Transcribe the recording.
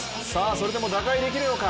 それでも打開できるのか。